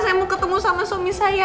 saya mau ketemu sama suami saya